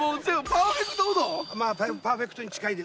パーフェクトに近い。